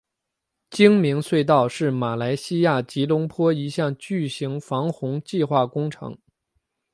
精明隧道是马来西亚吉隆坡一项巨型防洪计划工程。